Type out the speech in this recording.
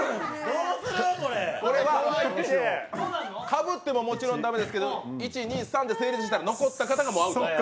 カブってももちろん駄目ですけど１、２、３で成立して残った方が、もうアウト。